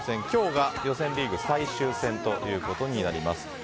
今日が予選リーグ最終戦ということになります。